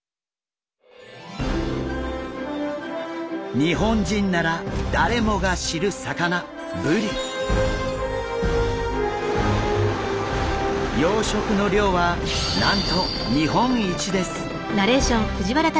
日本人なら誰もが知る魚養殖の量はなんと日本一です。